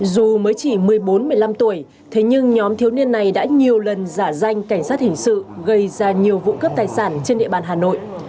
dù mới chỉ một mươi bốn một mươi năm tuổi thế nhưng nhóm thiếu niên này đã nhiều lần giả danh cảnh sát hình sự gây ra nhiều vụ cướp tài sản trên địa bàn hà nội